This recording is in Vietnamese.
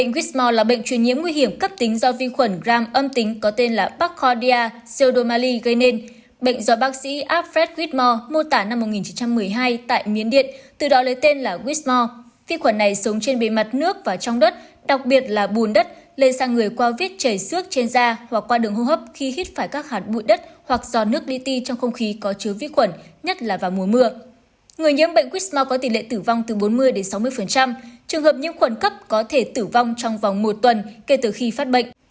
người nhiễm bệnh wismore có tỷ lệ tử vong từ bốn mươi sáu mươi trường hợp nhiễm khuẩn cấp có thể tử vong trong vòng một tuần kể từ khi phát bệnh